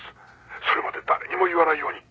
それまで誰にも言わないように。